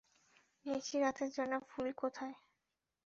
নিশি রাতের জন্য ফুল কোথায়?